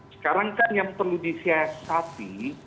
sekarang kan yang perlu disiasati